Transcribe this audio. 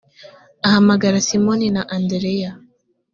ahamagara simoni na andereya